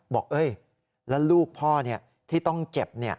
บอกแล้วลูกพ่อที่ต้องเจ็บ